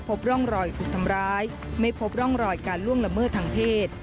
พบร่องรอยถูกทำร้ายไม่พบร่องรอยการล่วงละเมิดทางเพศ